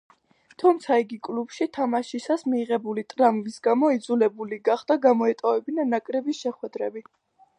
თუმცა, იგი კლუბში თამაშისას მიღებული ტრამვის გამო იძულებული გახდა გამოეტოვებინა ნაკრების შეხვედრები.